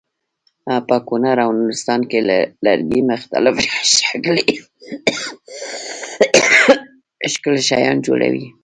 په کونړ او نورستان کې له لرګي مختلف ښکلي شیان جوړوي.